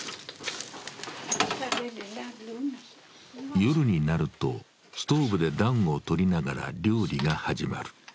夜になるとストーブで暖をとりながら料理が始まる。